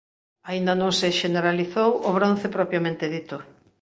Aínda non se xeneralizou o bronce propiamente dito.